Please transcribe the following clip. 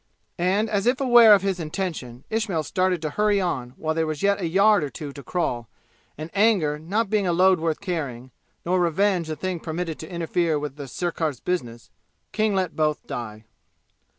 And as if aware of his intention Ismail started to hurry on while there was yet a yard or two to crawl, and anger not being a load worth carrying, nor revenge a thing permitted to interfere with the sirkar's business, King let both die.